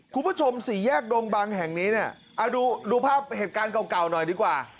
คุณผู้ชมสี่แยกดงบังแห่งนี้เนี่ยดูภาพเหตุการณ์เก่าหน่อยดีกว่า